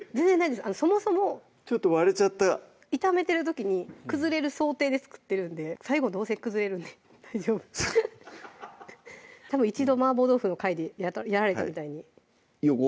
そもそもちょっと割れちゃった炒めてる時に崩れる想定で作ってるんで最後どうせ崩れるんで大丈夫たぶん一度麻婆豆腐の回でやられたみたいに横？